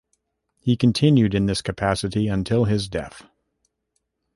He continued in this capacity until his death.